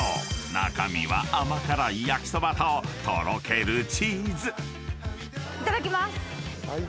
中身は甘辛い焼きそばととろけるチーズ］いただきます。